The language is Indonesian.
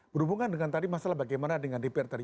berhubungan dengan tadi masalah bagaimana dengan dpr tadi